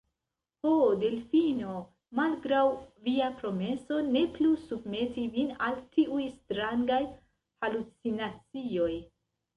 Ho, Delfino, malgraŭ via promeso, ne plu submeti vin al tiuj strangaj halucinacioj?